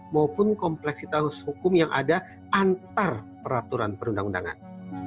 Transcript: maupun kompleksitas hukum yang ada antar peraturan perundang undangan